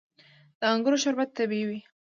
د انګورو شربت طبیعي وي.